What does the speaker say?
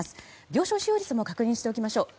病床使用率も確認しておきましょう。